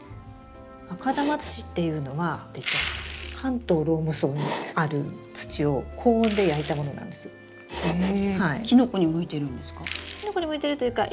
赤玉土っていうのは関東ローム層にある土を高温で焼いたものなんですよ。へえ。